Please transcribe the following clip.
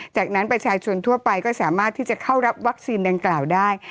จากนั้นประชาชนทั่วไปก็สามารถที่จะเข้ารับวัคซีนดังกล่าวได้